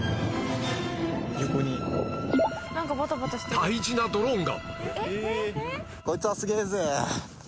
大事なドローンが